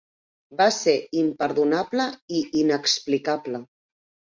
Va ser imperdonable i inexplicable.